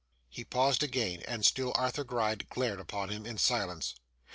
He paused again, and still Arthur Gride glared upon him in silence.